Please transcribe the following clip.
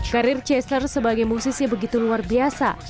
karir cesar sebagai musisnya begitu luar biasa